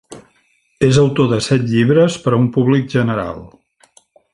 És autor de set llibres per a un públic general.